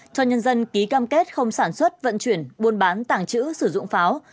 cho nhân dân ký cam kết không sản xuất vận chuyển buôn bán tàng trữ sử dụng pháo